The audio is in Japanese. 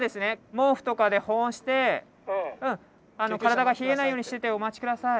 毛布とかで保温して体が冷えないようにしててお待ち下さい。